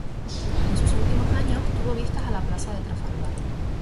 En sus últimos años tuvo vistas a la Plaza de Trafalgar.